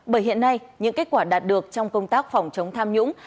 bởi hiện nay những kết quả đạt được trong công tác phòng chống tham nhũng